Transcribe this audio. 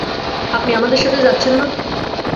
আপনি আমাদের সাথে যাচ্ছেন না?